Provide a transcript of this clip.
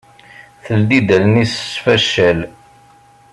Teldi-d allen-is s faccal.